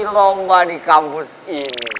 lomba di kampus ini